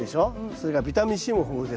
それからビタミンＣも豊富です。